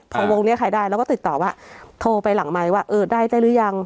พอวงนี้ใครได้แล้วก็ติดต่อว่าโทรไปหลังไมค์ว่าเออได้ได้หรือยัง